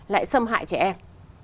lại xâm hại trẻ em